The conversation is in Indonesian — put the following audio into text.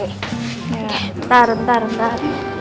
ntar ntar ntar